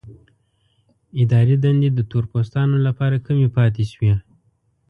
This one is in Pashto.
اداري دندې د تور پوستانو لپاره کمې پاتې شوې.